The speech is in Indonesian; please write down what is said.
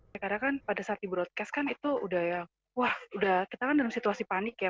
saya kata kan pada saat di broadcast kan itu udah ya wah kita kan dalam situasi pandemi